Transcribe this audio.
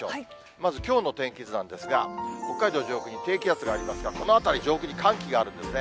まずきょうの天気図なんですが、北海道上空に低気圧がありますが、この辺り、上空に寒気があるんですね。